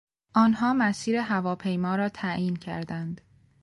آنها مسیر هواپیما را تعیین کردند.